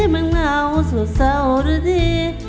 มันเหงาสุดเศร้าหรือดี